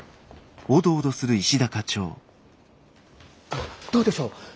どどうでしょう。